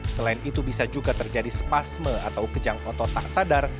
selain itu bisa juga terjadi spasme atau kejang otot tak sadar